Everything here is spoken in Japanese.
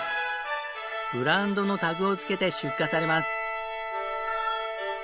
ブランドのタグを付けて出荷されます。